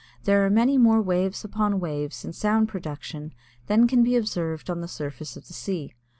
There are many more waves upon waves in sound production than can be observed on the surface of the sea.